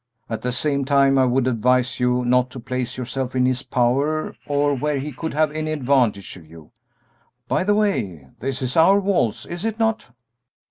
At the same time I would advise you not to place yourself in his power or where he could have any advantage of you. By the way, this is our waltz, is it not?"